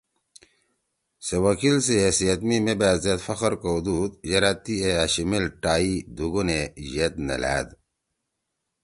سے وکیل سی حیثیت می مے بأت زید فخر کؤدُود یرأ تی اے أشیِمیل ٹائی دُو گونے ید نے لھأد